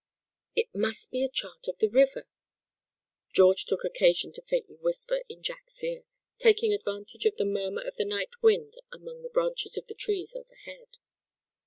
"It must be a chart of the river!" George took occasion to faintly whisper in Jack's ear, taking advantage of the murmur of the night wind among the branches of the trees overhead.